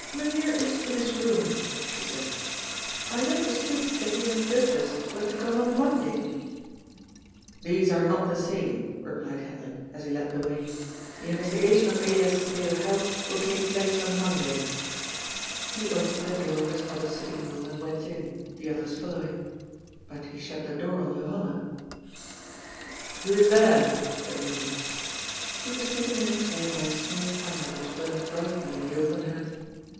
" Myn Heer is in his room," she said. " I had understood the Heeren Judges were to come on Monday." " These are not the same," replied Hendrik, as he led the way. " The investigation of Elias's state of health will SHOEMAKER, STICK TO THY LAST. 417 take place on Monday." He opened the door of his brother's sitting room and went in, the others following. But he shut the door on Johanna. "Who is there?" said Elias. He was sitting in his chair by a small fire which burned brightly in the open hearth.